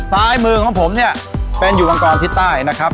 ซ้ายมือของผมเนี่ยเป็นอยู่มังกรทิศใต้นะครับ